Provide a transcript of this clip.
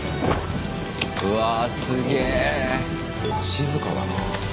静かだな。